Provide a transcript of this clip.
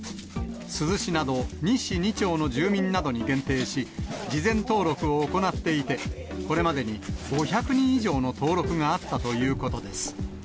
珠洲市など２市２町の住民などに限定し、事前登録を行っていて、これまでに５００人以上の登録があったということです。